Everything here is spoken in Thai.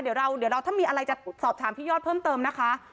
เดี๋ยวเราถ้ามีอะไรจะสอบถามพี่ยอดเพิ่มเติมนะคะ